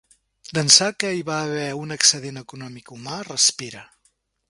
D'ençà que hi va haver un excedent econòmic humà, respire.